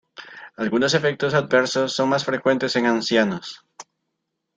Algunos efectos adversos son más frecuentes en ancianos.